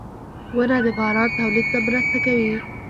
• ونه د باران تولید ته مرسته کوي.